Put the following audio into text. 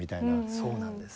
そうなんです。